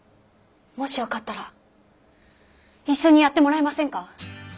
もしよかったら一緒にやってもらえませんか？